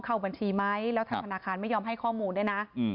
เข้าบัญชีไหมแล้วทางธนาคารไม่ยอมให้ข้อมูลด้วยนะ